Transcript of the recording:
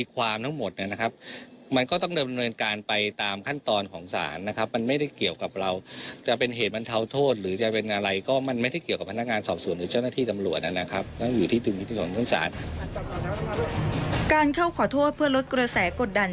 การเข้าขอโทษเพื่อลดกระแสกดดัน